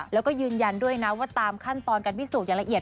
แล้วก็ยืนยันด้วยนะว่าตามขั้นตอนการพิสูจน์อย่างละเอียด